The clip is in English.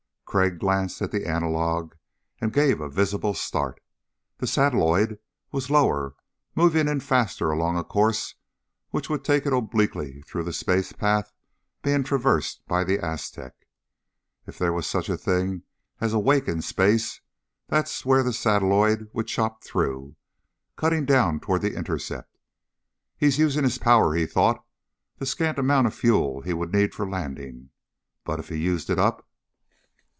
Crag glanced at the analog and gave a visible start. The satelloid was lower, moving in faster along a course which would take it obliquely through the space path being traversed by the Aztec. If there was such a thing as a wake in space, that's where the satelloid would chop through, cutting down toward the intercept. He's using his power, he thought, the scant amount of fuel he would need for landing. But if he used it up....